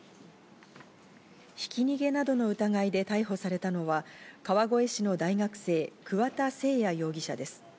ひき逃げなどの疑いで逮捕されたのは川越市の大学生、桑田聖也容疑者です。